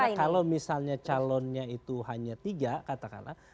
karena kalau misalnya calonnya itu hanya tiga katakanlah